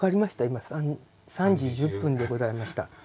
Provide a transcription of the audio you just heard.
今３時１０分でございました。